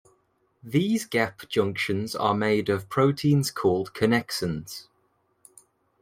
These gap junctions are made of proteins called connexins.